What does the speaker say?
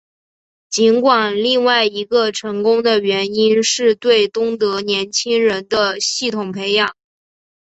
尽管另外一个成功的原因是对东德年轻人的系统培养。